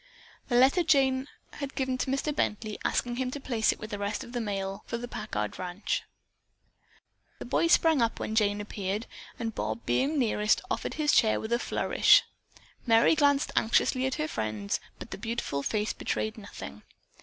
The letter Jane had given to Mr. Bently, asking him to place it with the rest of the mail for the Packard ranch. The boys sprang up when Jane appeared, and Bob, being nearest, offered his chair with a flourish. Merry glanced anxiously at her friend, but the beautiful face betrayed nothing.